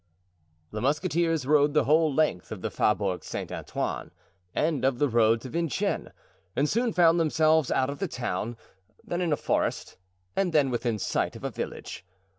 The musketeers rode the whole length of the Faubourg Saint Antoine and of the road to Vincennes, and soon found themselves out of the town, then in a forest and then within sight of a village.